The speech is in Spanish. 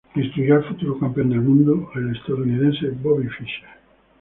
Instruyó al futuro campeón del mundo, el estadounidense Bobby Fischer.